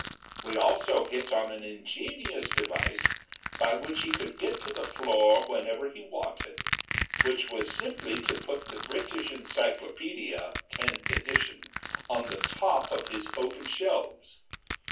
We also hit on an ingenious device by which he could get to the floor whenever he wanted, which was simply to put the British Encyclopaedia (tenth edition) on the top of his open shelves.